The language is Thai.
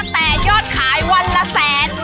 แต่ยอดขายวันละแสน